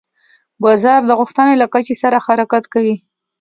بازار د غوښتنې له کچې سره حرکت کوي.